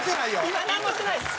今なんもしてないです。